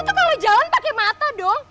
lo tuh kalau jalan pakai mata dong